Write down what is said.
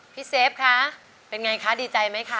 เซฟคะเป็นไงคะดีใจไหมคะ